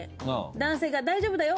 男性が、大丈夫だよ。